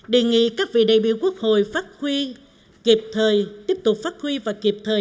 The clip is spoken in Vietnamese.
đề nghị các vị đại biểu quốc hội phát huy kịp thời tiếp tục phát huy và kịp thời